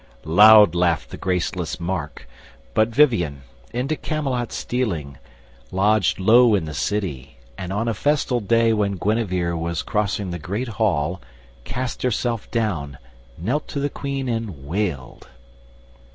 Loud laughed the graceless Mark, But Vivien, into Camelot stealing, lodged Low in the city, and on a festal day When Guinevere was crossing the great hall Cast herself down, knelt to the Queen, and wailed.